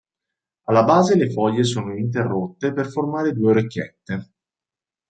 Alla base le foglie sono interrotte per formare due orecchiette.